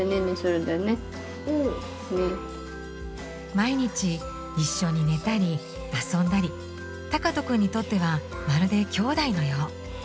毎日一緒に寝たり遊んだり敬斗くんにとってはまるできょうだいのよう。